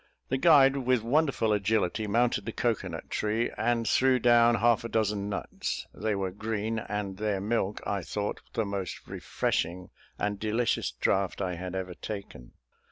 The guide, with wonderful agility, mounted the cocoa nut tree, and threw down half a dozen nuts. They were green, and their milk I thought the most refreshing and delicious draught I had ever taken.